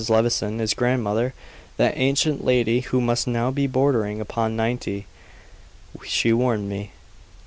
Levison, his grandmother, that ancient lady who must now be bordering upon ninety, she warned me.